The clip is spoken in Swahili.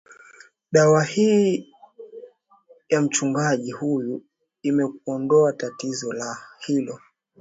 dawa hii ya mchungaji huyu imekuondoa tatizo hilo